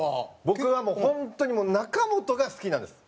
僕は本当にもう中本が好きなんです。